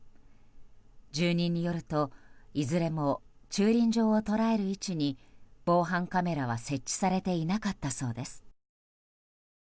住人によるといずれも駐輪場を捉える位置に防犯カメラは設置されていなかったそうです。